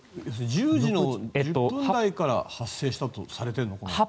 １０時１０分台から発生したとされてるのかな。